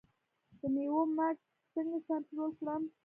د میوو مګس څنګه کنټرول کړم؟